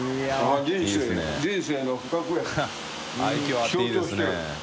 φあっていいですね。